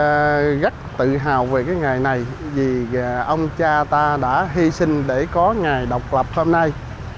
tôi rất tự hào về cái ngày này vì ông cha ta đã hy sinh để có ngày độc lập hôm nay